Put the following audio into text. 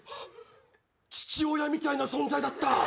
父親みたいな存在だった！